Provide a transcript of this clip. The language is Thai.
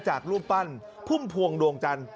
รูปปั้นพุ่มพวงดวงจันทร์